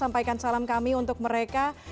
sampaikan salam kami untuk mereka